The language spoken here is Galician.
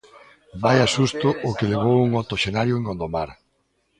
Vaia susto o que levou un octoxenario en Gondomar.